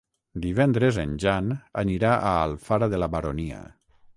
Divendres en Jan anirà a Alfara de la Baronia.